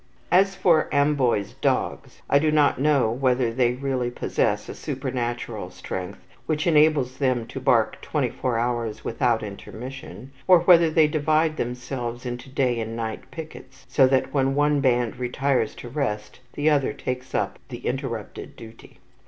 As for the Amboise dogs, I do not know whether they really possess a supernatural strength which enables them to bark twenty four hours without intermission, or whether they divide themselves into day and night pickets, so that, when one band retires to rest, the other takes up the interrupted duty.